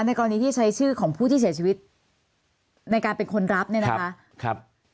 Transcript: กรณีที่ใช้ชื่อของผู้ที่เสียชีวิตในการเป็นคนรับเนี่ยนะคะครับ